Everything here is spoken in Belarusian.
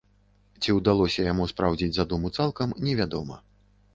Ці ўдалося яму спраўдзіць задуму цалкам, невядома.